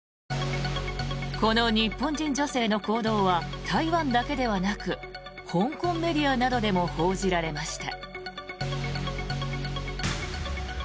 この日本人女性の行動は台湾だけではなく香港メディアなどでも報じられました。